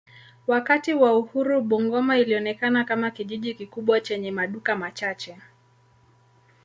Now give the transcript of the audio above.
Wakati wa uhuru Bungoma ilionekana kama kijiji kikubwa chenye maduka machache.